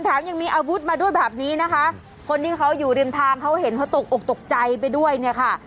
ยังมีอาวุธมาด้วยแบบนี้นะคะคนที่เขาอยู่ริมทางเขาเห็นเขาตกอกตกใจไปด้วยเนี่ยค่ะ